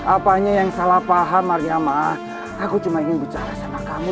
apanya yang salah paham margama aku cuma ingin bicara sama kamu